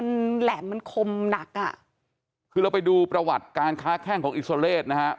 มันแหลมมันคมหนักอ่ะคือเราไปดูประวัติการค้าแข้งของอิสราเลสนะฮะ